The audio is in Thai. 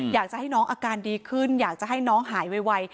อยากจะให้น้องอาการดีขึ้นอยากจะให้น้องหายไว